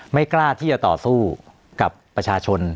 ไม่กล้าที่จะต่อสู้กับประชาชน